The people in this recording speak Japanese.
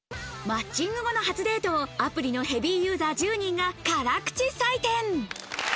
マッチング後の初デートをアプリのヘビーユーザー１０人が辛口採点。